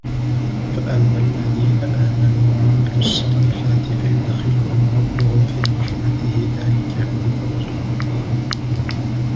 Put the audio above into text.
فَأَمَّا الَّذِينَ آمَنُوا وَعَمِلُوا الصَّالِحَاتِ فَيُدْخِلُهُمْ رَبُّهُمْ فِي رَحْمَتِهِ ذَلِكَ هُوَ الْفَوْزُ الْمُبِينُ